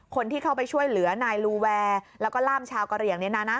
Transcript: คนที่เข้าไปช่วยเหลือนายลูแวร์แล้วก็ล่ามชาวกะเรียง